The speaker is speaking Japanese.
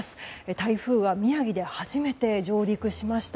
台風は宮城で初めて上陸しました。